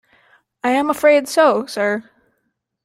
I am afraid so, sir.